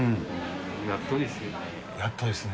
やっとですよね。